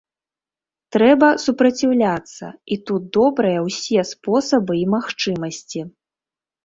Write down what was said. Трэба супраціўляцца, і тут добрыя ўсе спосабы і магчымасці.